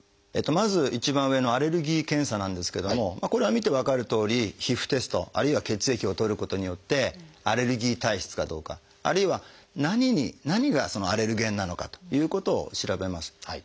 まず一番上の「アレルギー検査」なんですけどもこれは見て分かるとおり皮膚テストあるいは血液を採ることによってアレルギー体質かどうかあるいは何がアレルゲンなのかということを調べます。